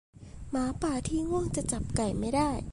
หมาป่าที่ง่วงจะจับไก่ไม่ได้